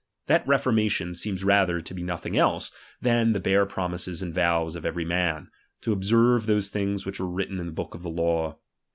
That reformation seems ^H rather to be nothing else, than the bare promises ^H and vows of every man, to ohsei ve those things ^^1 which were written in the book of the law.